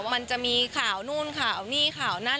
มันจะมีข่าวนู่นข่าวนี่ข่าวนั่น